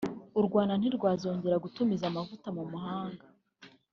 u Rwanda ntirwazongera gutumiza amavuta mu mahanga